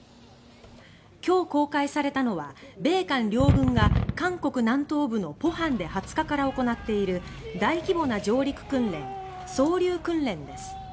今日公開されたのは米韓両軍が韓国南東部のポハンで２０日から行っている大規模な上陸訓練「双竜訓練」です。